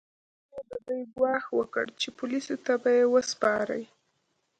خلکو د دوی ګواښ وکړ چې پولیسو ته به یې وسپاري.